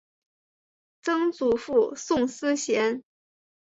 曾祖父宋思贤。